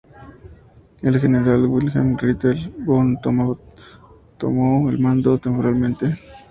El general Wilhelm Ritter von Thoma tomó el mando temporalmente.